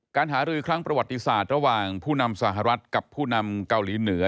การหารือครั้งประวัติศาสตร์ระหว่างผู้นำสหรัฐกับผู้นำเกาหลีเหนือ